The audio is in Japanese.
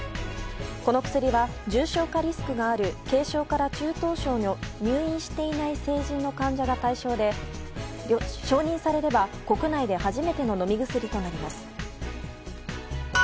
この薬は、重症化リスクのある軽症から中等症の入院していない成人の患者が対象で承認されれば国内で初めての飲み薬となります。